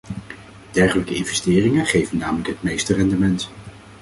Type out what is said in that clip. Dergelijke investeringen geven namelijk het meeste rendement.